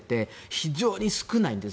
非常に少ないんです